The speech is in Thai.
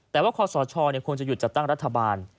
แต่ว่าคอสชควรจะหยุดจัดตั้งรัฐบาล